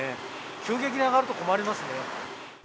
急激に上がると困りますね。